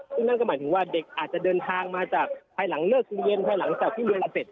ซึ่งนั่นก็หมายถึงว่าเด็กอาจจะเดินทางมาจากภายหลังเลิกเรียนภายหลังจากที่เรียนเสร็จ